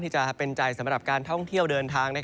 จะเป็นใจสำหรับการท่องเที่ยวเดินทาง